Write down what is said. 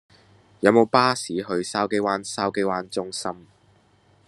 有無巴士去筲箕灣筲箕灣中心